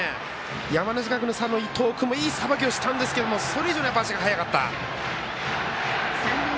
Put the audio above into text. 山梨学院のサードの伊藤君もいいさばきをしたんですがそれ以上に足が速かった。